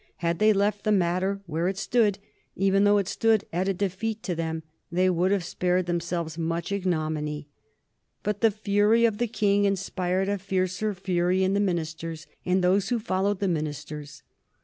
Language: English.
Had they left the matter where it stood, even though it stood at a defeat to them, they would have spared themselves much ignominy. But the fury of the King inspired a fiercer fury in the ministers and those who followed the ministers.